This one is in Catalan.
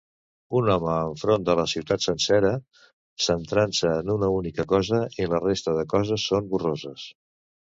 Un home enfront de la ciutat sencera centrant-se en una única cosa i la resta de coses són borroses